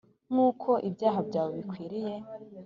nk’uko ibyaha byawe bikwiriye